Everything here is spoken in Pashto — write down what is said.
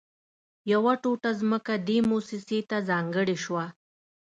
يوه ټوټه ځمکه دې مؤسسې ته ځانګړې شوه